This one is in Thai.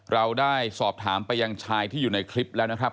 เราได้สอบถามไปยังชายที่อยู่ในคลิปแล้วนะครับ